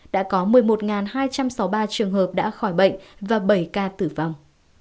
đã có một mươi một hai trăm sáu mươi ba trường hợp đã khỏi bệnh và bảy ca tử vong